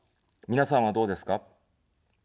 皆さんは、どうですか。